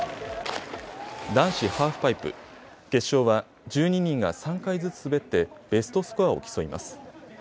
男子ハーフパイプ、決勝は１２人が３回ずつ滑ってベストスコアを競います。